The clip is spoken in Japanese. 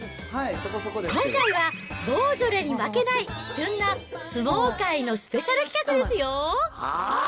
今回は、ボジョレに負けない旬な相撲界のスペシャル企画ですよ。